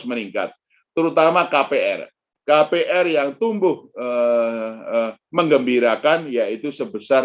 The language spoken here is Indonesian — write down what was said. hai menikmati perbankan yang mencapai kekurangan dari kredit konsumsi yang mencapai kekurangan dari